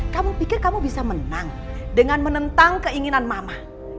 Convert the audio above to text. kamu pikir kamu bisa menang dengan menentang keinginan mama